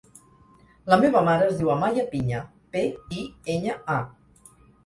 La meva mare es diu Amaya Piña: pe, i, enya, a.